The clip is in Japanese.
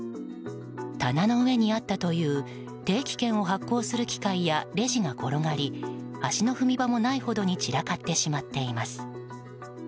棚の上にあったという定期券を発行する機械やレジが転がり足の踏み場もないほどに散らかってしまっています。